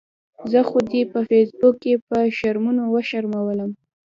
زه خو دې په فیسبوک کې په شرمونو وشرمؤلم